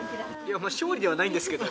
勝利ではないんですけど。